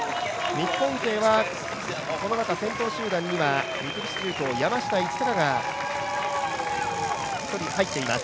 日本勢はこの中先頭集団には、三菱重工山下一貴が１人入っています。